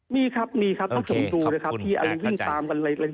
มีครับต้องสนุนประจารกันเลยครับ